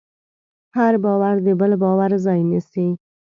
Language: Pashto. هر باور د بل باور ځای نيسي.